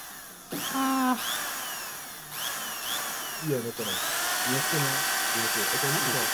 During his life he also made dozens of featured appearances on various television shows.